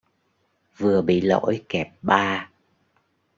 vừa bị lỗi kẹp ba